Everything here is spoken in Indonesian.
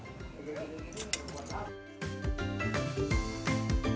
tidak ada yang tidak bisa ditemukan